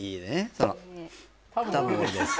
その「多分俺です」